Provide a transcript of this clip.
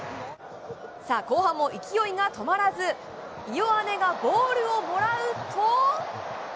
後半も勢いが止まらず、イオアネがボールをもらうと。